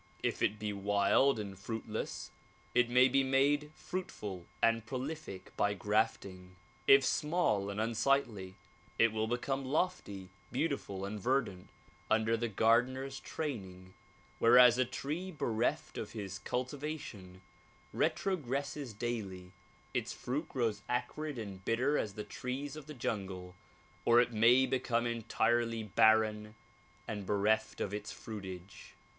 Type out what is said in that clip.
If it be wild and fruitless it may be made fruitful and prolific by grafting. If small and unsightly it will become lofty, beautiful and verdant under the gardener's training whereas a tree bereft of his cultivation, retrogresses daily, its fruit grows acrid and bitter as the trees of the jungle or it may become entirely barren and bereft of its fruitage.